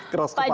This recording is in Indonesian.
keras kepala ya